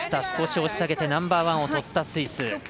少し押し下げてナンバーワンを取ったスイス。